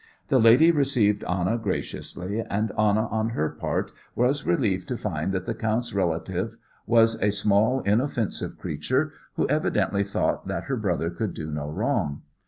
The lady received Anna graciously, and Anna on her part was relieved to find that the count's relative was a small, inoffensive creature, who evidently thought that her brother could do no wrong.